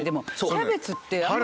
キャベツってあんまり。